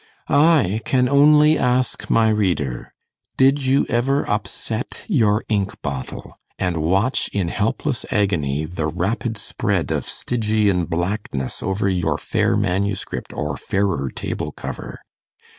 I can only ask my reader, did you ever upset your ink bottle, and watch, in helpless agony, the rapid spread of Stygian blackness over your fair manuscript or fairer table cover?